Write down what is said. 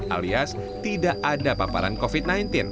alias tidak ada paparan covid sembilan belas